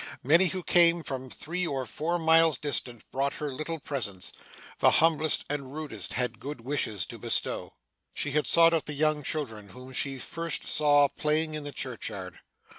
Many who came from three or four miles distant, brought her little presents; the humblest and rudest had good wishes to bestow. She had sought out the young children whom she first saw playing in the churchyard.